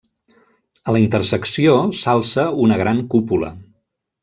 A la intersecció s'alça una gran cúpula.